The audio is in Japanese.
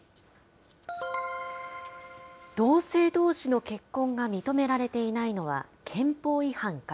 同性どうしの結婚が認められていないのは憲法違反か。